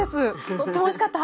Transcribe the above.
とってもおいしかった！